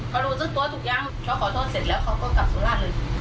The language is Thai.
เขารู้สึกตัวทุกอย่างเขาขอโทษเสร็จแล้วเขาก็กลับสุราชเลย